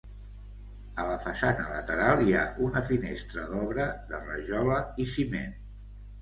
A la façana lateral hi ha una finestra d'obra de rajola i ciment.